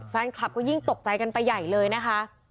แฟนคลับก็ยิ่งตกใจกันไปใหญ่เลยนะคะ